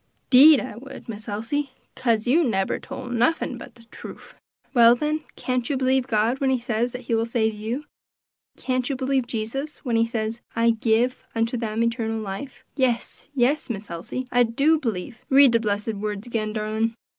"'Deed I would, Miss Elsie, kase you nebber tole nuffin but de truff." "Well, then, can't you believe God when he says that he will save you? Can't you believe Jesus when he says, 'I give unto them eternal life'?" "Yes, yes, Miss Elsie! I do b'lieve; read de blessed words again, darlin'."